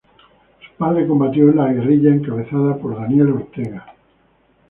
Su padre combatió en la guerrilla encabezada por Daniel Ortega.